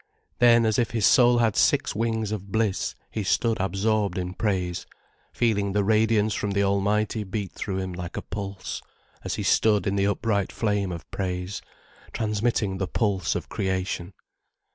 Then as if his soul had six wings of bliss he stood absorbed in praise, feeling the radiance from the Almighty beat through him like a pulse, as he stood in the upright flame of praise, transmitting the pulse of Creation.